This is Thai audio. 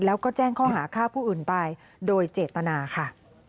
แล้วก็แจ้งข้อหาฆ่าผู้อื่นตายโดยเจตนาค่ะ